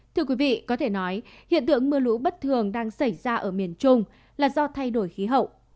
thưa quý vị có thể nói hiện tượng mưa lũ bất thường đang xảy ra ở miền trung là do thay đổi khí hậu